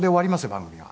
番組が。